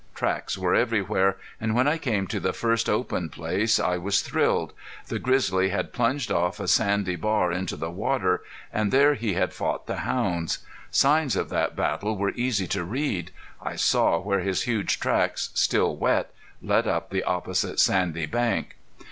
Tracks were everywhere, and when I came to the first open place I was thrilled. The grizzly had plunged off a sandy bar into the water, and there he had fought the hounds. Signs of that battle were easy to read. I saw where his huge tracks, still wet, led up the opposite sandy bank.